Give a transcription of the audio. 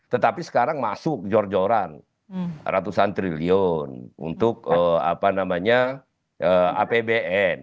tetapi sekarang masuk jor joran ratusan triliun untuk apbn